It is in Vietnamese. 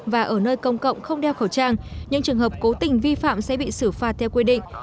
và ở nơi công cộng không đeo khẩu trang những trường hợp cố tình vi phạm sẽ bị xử phạt theo quy định